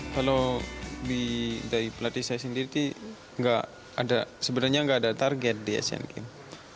kalau dari pelatih saya sendiri sih sebenarnya nggak ada target di asian games